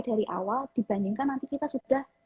dari awal dibandingkan nanti kita sudah